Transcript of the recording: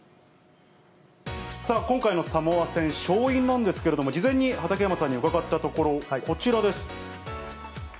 今回のサモア戦、勝因なんですけれども、事前に畠山さんに伺ったところ、こちらです。